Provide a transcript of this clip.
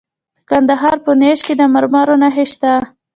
د کندهار په نیش کې د مرمرو نښې شته.